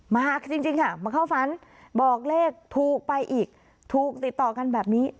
มากจริงค่ะมาเข้าฝันบอกเลขถูกไปอีกถูกติดต่อกันแบบนี้